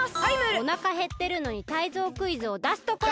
おなかへってるのにタイゾウクイズをだすところ。